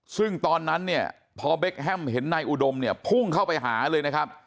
ซึ่งตอนนั้นเนี่ยพอเบคแฮมเห็นนายอุดมเนี่ยพุ่งเข้าไปหาเลยนะครับ